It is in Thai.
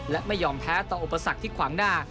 และไม่ยอมแพ้ต่ออุปสรรคที่ขวางหน้า